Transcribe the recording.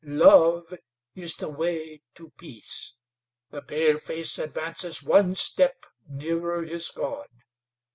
Love is the way to peace. The paleface advances one step nearer his God.